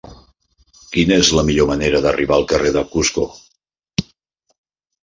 Quina és la millor manera d'arribar al carrer de Cusco?